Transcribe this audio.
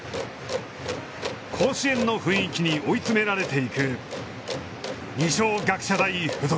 甲子園の雰囲気に追い詰められていく二松学舎大付属。